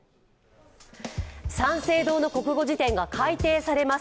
三省堂の国語辞典が改訂されます。